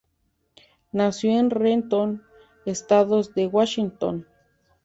Nació en Renton, Estado de Washington.